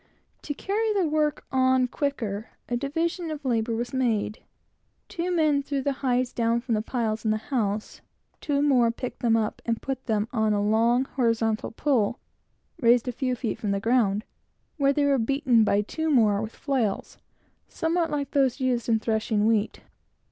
To carry the work on quicker, a division of labor was made. Two men threw the hides down from the piles in the house, two more picked them up and put them on a long horizontal pole, raised a few feet from the ground, where they were beaten, by two more, with flails, somewhat like those used in threshing wheat.